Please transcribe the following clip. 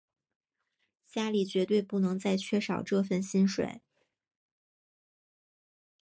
家里绝对不能再缺少这份薪水